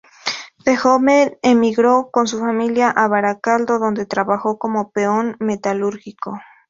De joven emigró con su familia a Baracaldo, donde trabajó como peón metalúrgico.